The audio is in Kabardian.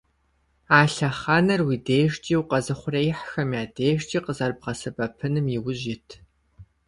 А лъэхъэнэр уи дежкӀи укъэзыухъуреихьхэм я дежкӀи къызэрыбгъэсэбэпыным иужь ит.